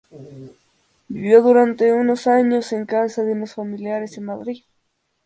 Vivió durante unos años en casa de unos familiares en Madrid.